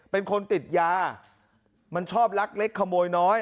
เป็นคนติดยามันชอบลักเล็กขโมยน้อย